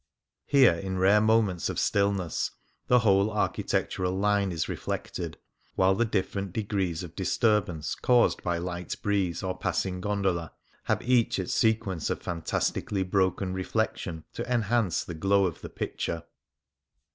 Here, in rare moments of stillness, the M hole architectural line is reflected ; while the dif ferent degrees of disturbance caused by light breeeze or passing gondola have each its sequence of fantastically broken reflection to enhance the glow of the picture.